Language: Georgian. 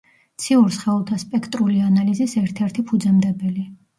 ციურ სხეულთა სპექტრული ანალიზის ერთ-ერთი ფუძემდებელი.